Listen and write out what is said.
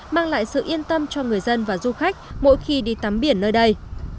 mang lại sự yên tâm cho người dân và du khách mỗi khi đi tắm biển nơi đây